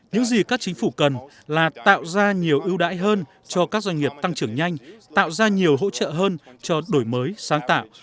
những gì các chính phủ cần là tạo ra nhiều ưu đãi hơn cho các doanh nghiệp tăng trưởng nhanh tạo ra nhiều hỗ trợ hơn cho đổi mới sáng tạo